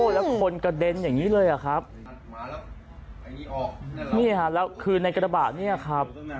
แล้วคนกระเด็นอย่างงี้เลยอ่ะครับมาแล้วอันนี้ออกนี่ฮะแล้วคือในกระบะเนี่ยครับ